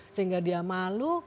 sehingga dia malu